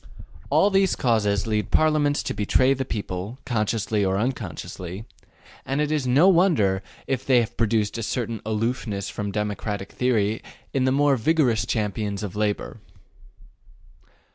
All these causes lead Parliaments to betray the people, consciously or unconsciously; and it is no wonder if they have produced a certain aloofness from democratic theory in the more vigorous champions of labor.